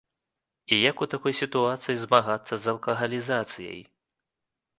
І як у такой сітуацыі змагацца з алкагалізацыяй?